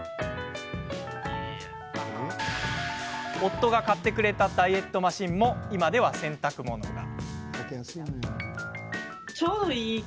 夫が買ってくれたダイエットマシンも今では洗濯物が。